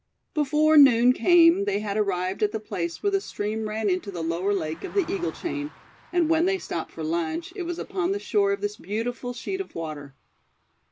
Before noon came they had arrived at the place where the stream ran into the Lower Lake of the Eagle Chain; and when they stopped for lunch, it was upon the shore of this beautiful sheet of water.